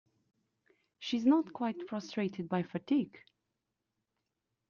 She is not quite prostrated by fatigue?